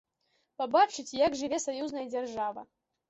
Пабачыць, як жыве саюзная дзяржава.